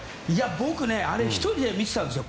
僕、１人で見てたんですよ。